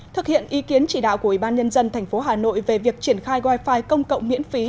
thực hiện ý kiến chỉ đạo của ủy ban nhân dân tp hà nội về việc triển khai wi fi công cộng miễn phí